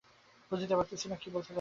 বুঝতে পারছি না কী বলতে চাচ্ছ।